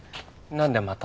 何でまた？